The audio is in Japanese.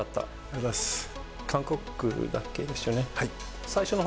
韓国だっけ、ですよね。